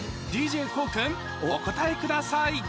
ＤＪＫＯＯ君お答えください